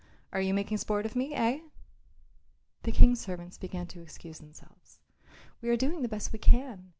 Are you making sport of me, eh?" The King's servants began to excuse themselves. "We are doing the best we can.